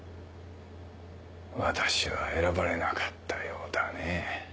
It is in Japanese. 私は選ばれなかったようだね。